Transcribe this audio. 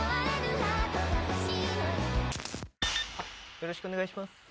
よろしくお願いします。